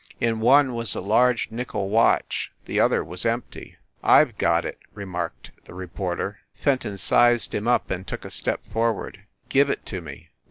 In one was a large nickel watch, the other was empty. "I ve got it," remarked the reporter. Fenton sized him up, and took a step forward. "Give it tome!"